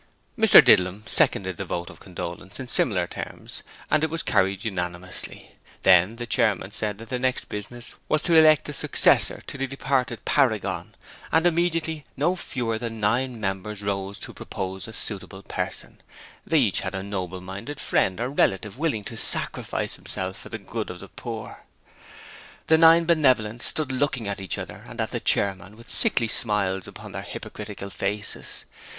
Mr Didlum seconded the vote of condolence in similar terms, and it was carried unanimously. Then the Chairman said that the next business was to elect a successor to the departed paragon; and immediately no fewer than nine members rose to propose a suitable person they each had a noble minded friend or relative willing to sacrifice himself for the good of the poor. The nine Benevolent stood looking at each other and at the Chairman with sickly smiles upon their hypocritical faces.